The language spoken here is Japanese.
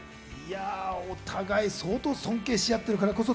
お互い相当尊敬し合っているからこそ。